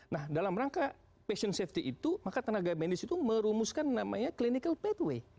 nah dalam rangka passion safety itu maka tenaga medis itu merumuskan namanya clinical pathway